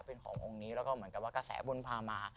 เป็นขององค์นี้แล้วก็เหมือนกับว่ากระแสบุญพามา